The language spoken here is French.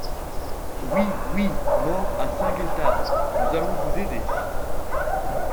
Oui, oui ! mort à Saint-Gueltas ! Nous allons vous aider.